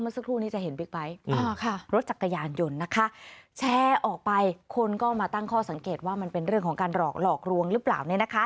สักครู่นี้จะเห็นบิ๊กไบท์รถจักรยานยนต์นะคะแชร์ออกไปคนก็มาตั้งข้อสังเกตว่ามันเป็นเรื่องของการหลอกหลอกลวงหรือเปล่าเนี่ยนะคะ